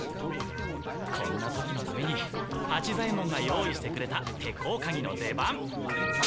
こんな時のために八左ヱ門が用意してくれた手甲鉤の出番。